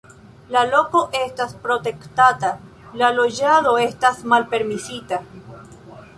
La loko estas protektata, la loĝado estas malpermesita.